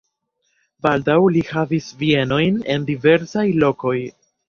Baldaŭ li havis bienojn en diversaj lokoj.